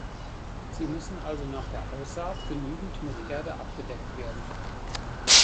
Sie müssen also nach der Aussaat genügend mit Erde abgedeckt werden.